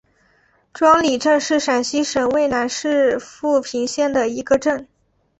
庄里镇是陕西省渭南市富平县的一个镇。